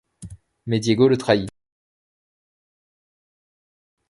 Mais Diego le trahit.